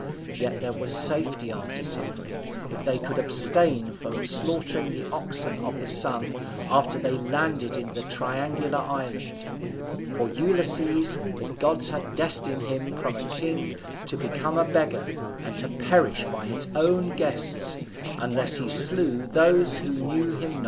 Yet there was safety after suffering, if they could abstain from slaughtering the oxen of the Sun after they landed in the Triangular island. For Ulysses, the gods had destined him from a king to become a beggar, and to perish by his own guests, unless he slew those who knew him not_.